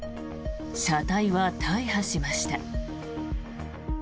車体は大破しました。